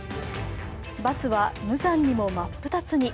バスは無残にも真っ二つに。